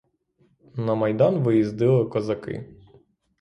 На майдан виїздили козаки.